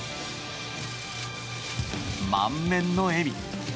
満面の笑み。